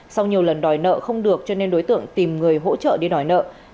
sau nhiều lần đòi nợ không được cho nên đối tượng tìm người hỗ trợ đi đòi nợ